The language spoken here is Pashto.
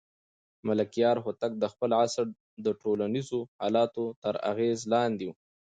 ملکیار هوتک د خپل عصر د ټولنیزو حالاتو تر اغېز لاندې و.